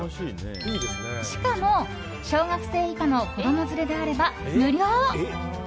しかも、小学生以下の子供連れであれば無料！